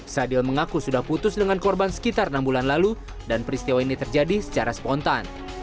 sadil mengaku sudah putus dengan korban sekitar enam bulan lalu dan peristiwa ini terjadi secara spontan